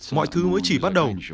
mọi thứ mới chỉ bắt đầu